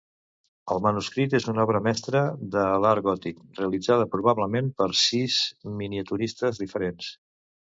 El manuscrit és una obra mestra de l'art gòtic, realitzada probablement per sis miniaturistes diferents.